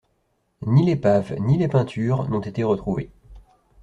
Ni l'épave, ni les peintures, n'ont été retrouvées.